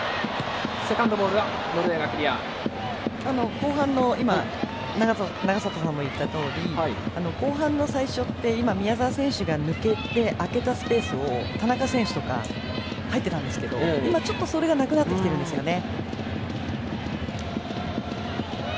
後半の今、永里さんも言ったとおり後半の最初って、宮澤が抜けて空けたスペースを田中選手とか入ってたんですけど今ちょっと、それがなくなってきてるんですよね。